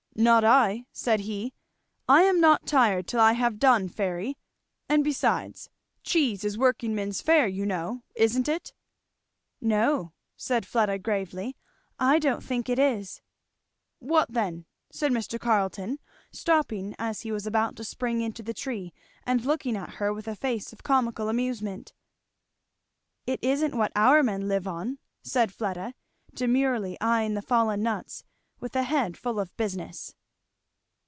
"Not I!" said he. "I am not tired till I have done, Fairy. And besides, cheese is workingman's fare, you know, isn't it?" "No," said Fleda gravely, "I don't think it is." "What then?" said Mr. Carleton, stopping as he was about to spring into the tree, and looking at her with a face of comical amusement. "It isn't what our men live on," said Fleda, demurely eying the fallen nuts, with a head full of business.